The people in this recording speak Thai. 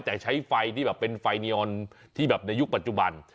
แต่ใช้ไฟที่แบบเป็นไฟนีออนที่แบบในยุคปัจจุบัน